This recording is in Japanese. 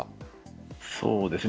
そうですね。